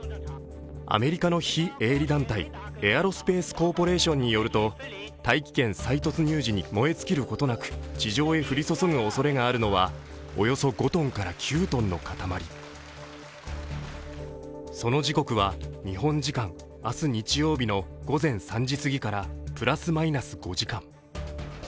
アメリカの非営利団体、エアロスペース・コーポレーションによると、大気圏再突入時に燃え尽きることなく地上へ降り注ぐおそれがあるのはおよそ５ｔから９ｔの塊その時刻は日本時間明日日曜日の午前３時すぎからプラス・マイナス５時間。